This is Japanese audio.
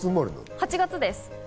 ８月です。